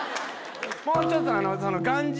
もうちょっと。